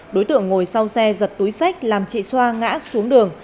đối tượng ngồi sau xe giật túi sách làm chị xoa ngã xuống đường